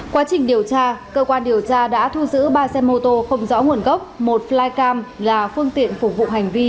quá trình điều tra cơ quan điều tra đã thu giữ ba xe mô tô không rõ nguồn gốc một flycam là phương tiện phục vụ hành vi